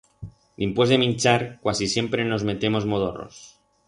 Dimpués de minchar cuasi siempre nos metemos modorros.